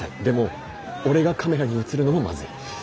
でも俺がカメラに映るのもまずい。